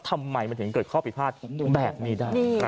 ทำไมมันถึงเกิดข้อผิดพลาดแบบนี้ได้